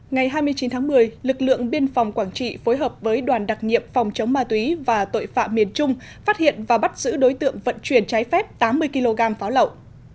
ngày hai mươi chín tháng một mươi lực lượng biên phòng quảng trị phối hợp với đoàn đặc nhiệm phòng chống ma túy và tội phạm miền trung phát hiện và bắt giữ đối tượng vận chuyển trái phép tám mươi kg pháo lậu